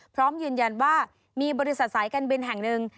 พร้อมยืนยันว่ามีบริษัทสายการบินแห่งหนึ่ง